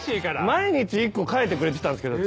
毎日１個書いてくれてたんすけど。